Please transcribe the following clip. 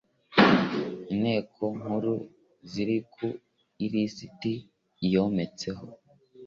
inteko nkuru ziri ku ilisiti iyometseho .